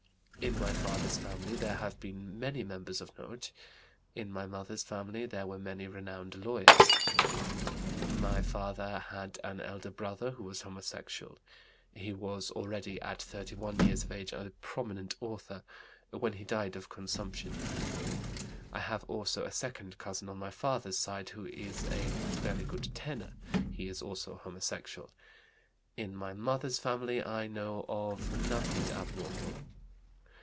"In my father's family there have been many members of note. In my mother's family there were many renowned lawyers. "My father had an elder brother who was homosexual. He was already, at 31 years of age, a prominent author, when he died of consumption. I have also a second cousin on my father's side who is a very good tenor; he is also homosexual. In my mother's family I know of nothing abnormal.